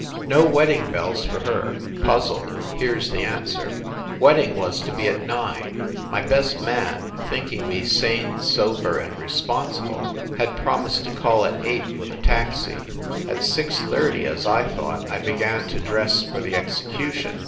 No wedding bells for her. Puzzle. Here s the answer. Wedding was to be at nine. My best man, think ing me sane, sober and responsible, had promised to call at eight, with a taxi. At six thirty (as I thought) I began to dress for the execution.